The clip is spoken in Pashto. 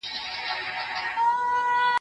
زه اوس د سبا لپاره د هنرونو تمرين کوم؟!